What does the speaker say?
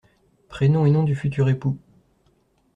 Prénoms et nom du futur époux.